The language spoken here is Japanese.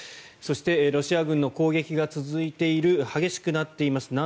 そして、ロシア軍の攻撃が続いている、激しくなっています